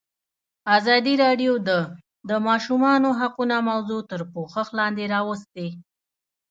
ازادي راډیو د د ماشومانو حقونه موضوع تر پوښښ لاندې راوستې.